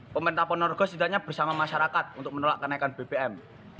pemerintah ponorogo setidaknya bersama masyarakat untuk menolak kenaikan bbm